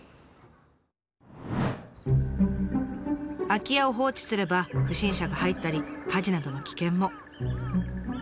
空き家を放置すれば不審者が入ったり火事などの危険も。